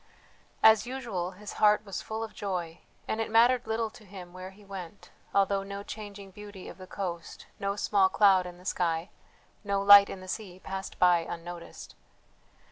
As usual his heart was full of joy, and it mattered little to him where he went, although no changing beauty of the coast, no small cloud in the sky, no light in the sea passed by unnoticed.